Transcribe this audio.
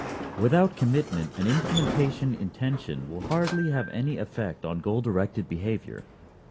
Without commitment, an implementation intention will hardly have any effect on goal-directed behavior.